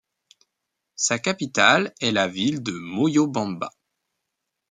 Sa capitale est la ville de Moyobamba.